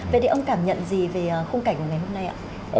vậy thì ông cảm nhận gì về khung cảnh của ngày hôm nay ạ